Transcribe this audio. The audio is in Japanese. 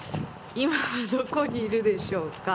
今はどこにいるでしょうか？